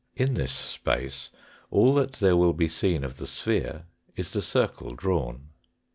In this space all that there will be seen of the sphere is the circle drawn.